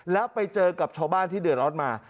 แล้วไปเจอกับชาวบ้านที่เดือดร้อนมา